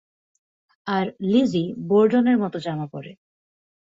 আর Lizzie বোর্ডেনের মতো জামা পরে।